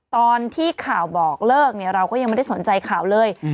ตอนที่ข่าวบอกเลิกเนี่ยเราก็ยังไม่ได้สนใจข่าวเลย